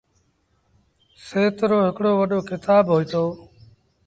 سهت روهڪڙو وڏو ڪتآب هوئيٚتو۔